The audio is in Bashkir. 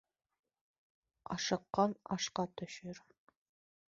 Ашыҡҡан ашҡа төшөр.